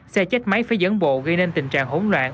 xe chết máy phải dẫn bộ gây nên tình trạng hỗn loạn